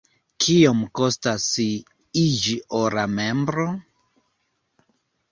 Kiom kostas iĝi ora membro?